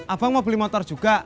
abang mau beli motor juga